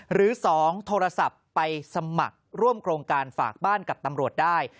หรือ๒โทรศัพท์ไปสมัครร่วมโครงการฝากบ้านกับตำรวจได้